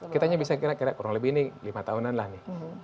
kita hanya bisa kira kira kurang lebih ini lima tahunan lah